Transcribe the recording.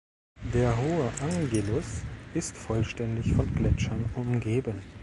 Der Hohe Angelus ist vollständig von Gletschern umgeben.